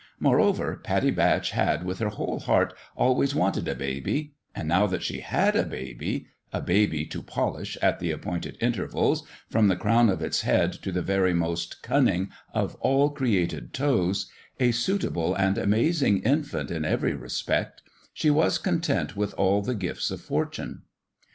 More over, Pattie Batch had with her whole heart always wanted a baby ; and now that she had a baby a baby to polish, at the appointed intervals, from the crown of its head to the very most cunning of all created toes a suitable and amazing in fant in every respect she was content with all the gifts of fortune.